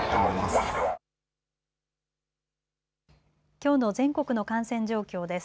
きょうの全国の感染状況です。